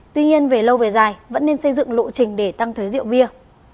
tuy nhiên về lâu về dài vẫn nên xây dựng lộ trình để tăng thuế rượu bia